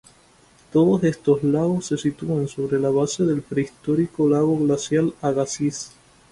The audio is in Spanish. Todos estos lagos se sitúan sobre la base del prehistórico lago Glacial Agassiz.